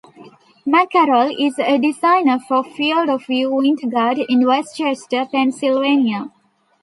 McCarroll is a designer for Field of View winter guard in West Chester, Pennsylvania.